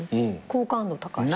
好感度高い。